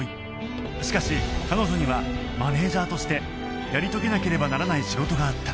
しかし彼女にはマネージャーとしてやり遂げなければならない仕事があった